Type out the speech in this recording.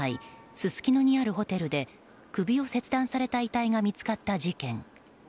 すすきのにあるホテルで首を切断された遺体が見つかった事件。